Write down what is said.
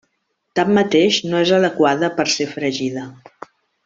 Tanmateix no és adequada per a ser fregida.